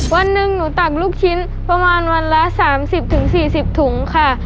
วันหนึ่งหนูตักลูกชิ้นประมาณวันละสามสิบถึงสี่สิบถุงค่ะ